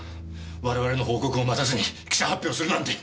我々の報告を待たずに記者発表するなんて！